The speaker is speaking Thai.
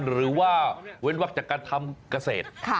หรือว่าเว้นวักจากการทำเกษตร